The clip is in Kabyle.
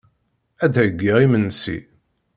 Ad d-heyyiɣ imensi.